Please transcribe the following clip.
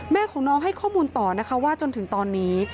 แม่ของน้องให้ข้อมูลต่อนะคะว่าจนถึงตอนนี้